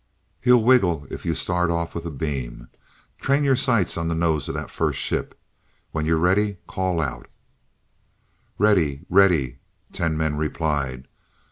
"He'll wiggle if you start off with the beam. Train your sights on the nose of that first ship when you're ready, call out." "Ready ready " Ten men replied.